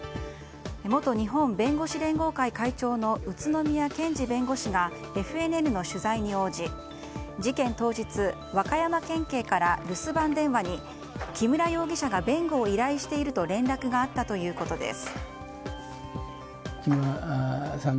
元日本弁護士連合会会長の宇都宮健児弁護士がＦＮＮの取材に応じ事件当日、和歌山県警から留守番電話に、木村容疑者が弁護を依頼していると連絡があったということです。